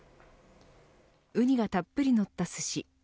ウニがたっぷり載ったすし。